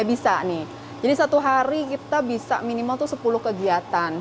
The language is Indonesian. bisa nih jadi satu hari kita bisa minimal tuh sepuluh kegiatan